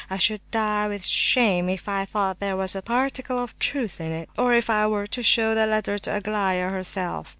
I should die with shame if I thought there was a particle of truth in it, or if I were to show the letter to Aglaya herself!